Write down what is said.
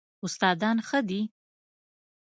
استادان ښه دي؟